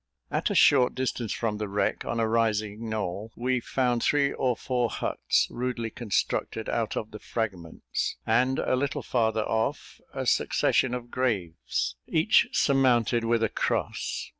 At a short distance from the wreck, on a rising knoll, we found three or four huts, rudely constructed out of the fragments; and, a little farther off, a succession of graves, each surmounted with a cross.